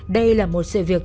đây là một sự việc